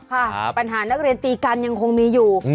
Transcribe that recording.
ค่ะปัญหานักเรียนตีกันยังคงมีอยู่